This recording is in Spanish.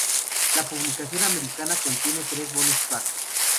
La publicación americana contiene tres bonus track.